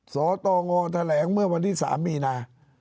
สตงแถลงเหมือนวันติดตาม๓มีนา